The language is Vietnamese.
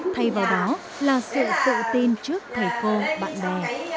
thay vào đó là sự tự tin trước thầy cô bạn bè